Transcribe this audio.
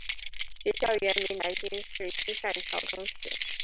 学校原名南京市西善桥中学。